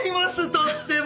とっても！